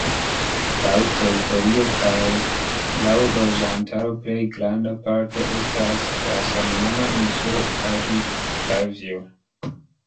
Laŭ teritorio kaj laŭ loĝantaro plej granda parto estas la samnoma insulo Tavi-Tavio.